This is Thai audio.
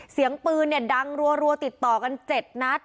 เสียงปืนเนี่ยดังรัวติดต่อกัน๗นัด